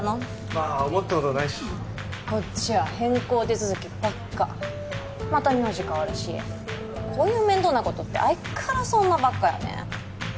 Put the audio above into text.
まあ思ったほどないしこっちは変更手続きばっかまた名字変わるしこういう面倒なことって相変わらず女ばっかよね